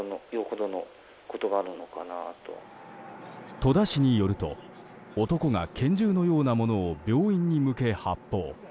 戸田市によると男が拳銃のようなものを病院に向け発砲。